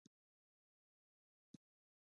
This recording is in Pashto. ایا زه باید په دفتر کې کار وکړم؟